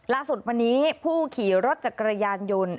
ล่าสุดวันนี้ผู้ขี่รถจักรยานยนต์